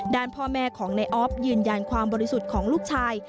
ด้านพ่อแม่ของนายออฟยืนยันความบริสุทธิ์ของลูกชาย